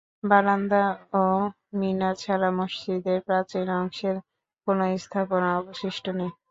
বারান্দা ও মিনার ছাড়া মসজিদের প্রাচীন অংশের কোনো স্থাপনা অবশিষ্ট নেই।